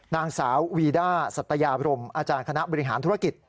นางสาววีด้าสัตยาบรมอาจารย์คณะบริหารธุรกิจ